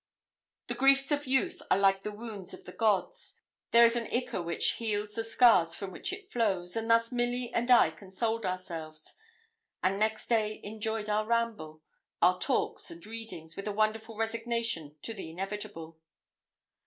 The griefs of youth are like the wounds of the gods there is an ichor which heals the scars from which it flows: and thus Milly and I consoled ourselves, and next day enjoyed our ramble, our talk and readings, with a wonderful resignation to the inevitable.